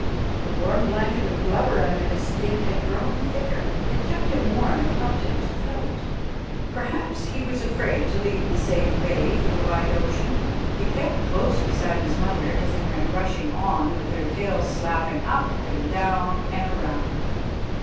The warm blanket of blubber under his skin had grown thicker. It kept him warm and helped him to float. Perhaps he was afraid to leave the safe bay for the wide ocean. He kept close beside his mother as they went rushing on, with their tails slapping up and down and around.